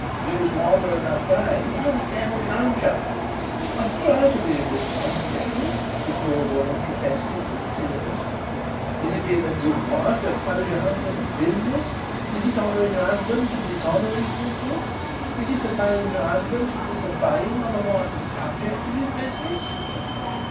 You was to honour and obey; why the devil don't you?" "I try to be a good wife, Jerry," the poor woman protested, with tears. "Is it being a good wife to oppose your husband's business? Is it honouring your husband to dishonour his business? Is it obeying your husband to disobey him on the wital subject of his business?"